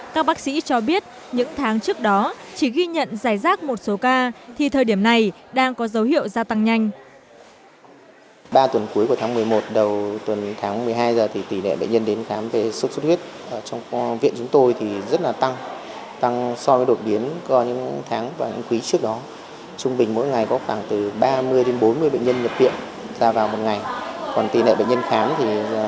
các bác sĩ cho biết những tháng trước đó chỉ ghi nhận giải rác một số ca thì thời điểm này đang có dấu hiệu gia tăng nhanh